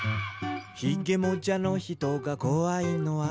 「ひげもじゃの人がこわいのは？」